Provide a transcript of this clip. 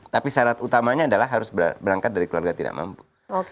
tapi syarat utamanya adalah harus berangkat dari keluarga tidak mampu